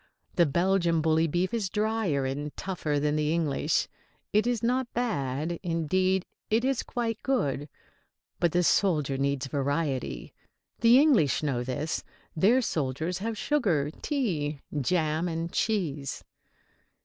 The Belgian bully beef is drier and tougher than the English. It is not bad; indeed, it is quite good. But the soldier needs variety. The English know this. Their soldiers have sugar, tea, jam and cheese.